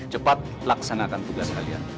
cepat laksanakan tugas kalian